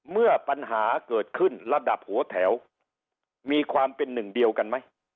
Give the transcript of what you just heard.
เมื่อปัญหาเกิดขึ้นระดับหัวแถวมีความเป็นหนึ่งเดียวกันไหม